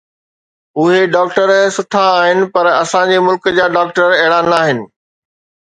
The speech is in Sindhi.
اهي ڊاڪٽر سٺا آهن، پر اسان جي ملڪ جا ڊاڪٽر اهڙا ناهن